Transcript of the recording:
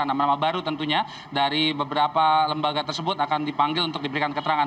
nama nama baru tentunya dari beberapa lembaga tersebut akan dipanggil untuk diberikan keterangan